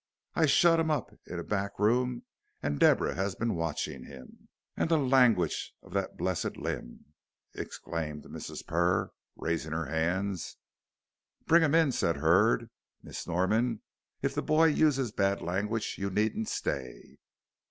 I shut him up in a back room, and Deborah has been watching him " "An' the languige of that blessed limb!" exclaimed Mrs. Purr, raising her hands. "Bring him in," said Hurd. "Miss Norman, if the boy uses bad language, you needn't stay."